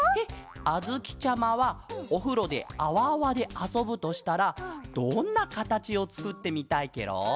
あづきちゃまはおふろであわあわであそぶとしたらどんなかたちをつくってみたいケロ？